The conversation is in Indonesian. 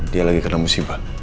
dia lagi kena musibah